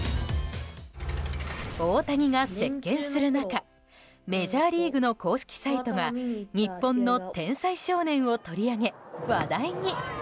大谷が席巻する中メジャーリーグの公式サイトが日本の天才少年を取り上げ話題に。